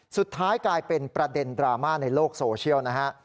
สุดท้ายกลายเป็นประเด็นดราม่าในโลกโซเชียลนะฮะ